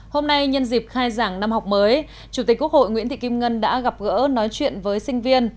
hôm nay nhân dịp khai giảng năm học mới chủ tịch quốc hội nguyễn thị kim ngân đã gặp gỡ nói chuyện với sinh viên